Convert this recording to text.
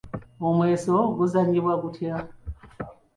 Omweso guzannyibwa gutya?